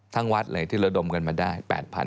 วัดเลยที่ระดมกันมาได้๘๐๐๐